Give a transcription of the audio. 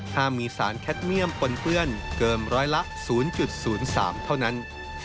ห้ามมีสารแคทเมี่ยมปนเปื้อนเกินร้อยละ๐๐๓เท่านั้น